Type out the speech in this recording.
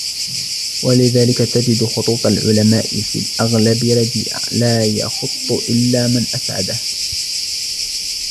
وَلِذَلِكَ تَجِدُ خُطُوطَ الْعُلَمَاءِ فِي الْأَغْلَبِ رَدِيئَةً لَا يَخُطُّ إلَّا مَنْ أَسْعَدَهُ